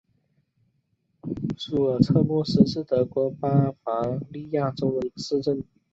苏尔策莫斯是德国巴伐利亚州的一个市镇。